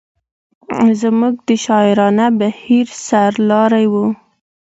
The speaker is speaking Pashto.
زموږ د شاعرانه بهیر سر لاری و.